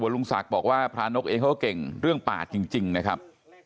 ลุงศักดิ์บอกว่าพระนกเองเขาก็เก่งเรื่องป่าจริงนะครับ